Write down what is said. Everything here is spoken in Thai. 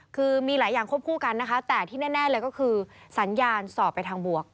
คือมีหลายอย่างควบคู่กันนะคะแต่ที่แน่เลยก็คือสัญญาณสอบไปทางบวก